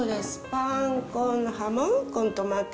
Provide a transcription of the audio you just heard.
パンコンハモンコントマテ。